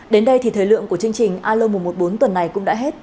đến đây thì thời lượng của chương trình alo một trăm một mươi bốn tuần này cũng đã hết